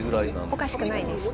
おかしくないです。